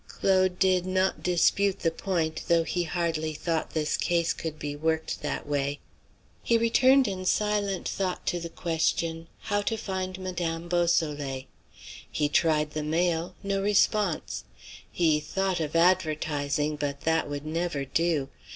_" Claude did not dispute the point, though he hardly thought this case could be worked that way. He returned in silent thought to the question, how to find Madame Beausoleil. He tried the mail; no response. He thought of advertising; but that would never do.